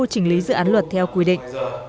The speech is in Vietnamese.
chỉnh lý dự án luật theo quy định